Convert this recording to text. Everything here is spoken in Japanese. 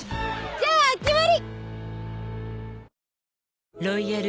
じゃあ決まり！